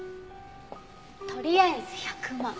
とりあえず１００万。